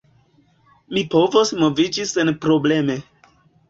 Mi povos moviĝi senprobleme.